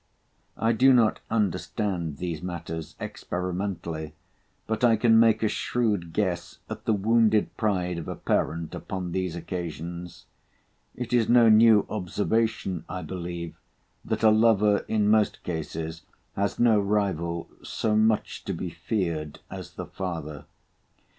I do not understand these matters experimentally, but I can make a shrewd guess at the wounded pride of a parent upon these occasions. It is no new observation, I believe, that a lover in most cases has no rival so much to be feared as the father.